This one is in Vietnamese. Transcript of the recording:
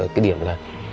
cái điểm là